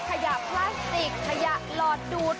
พลาสติกขยะหลอดดูด